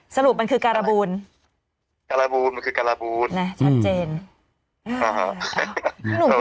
สรุปมันคือการาบูน